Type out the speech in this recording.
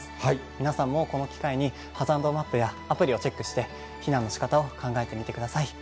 皆さんもこの機会に、ハザードマップやアプリをチェックして、避難のしかたを考えてみてください。